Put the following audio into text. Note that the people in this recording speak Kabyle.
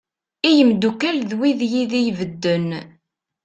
I yimddukal d wid yid-i bedden.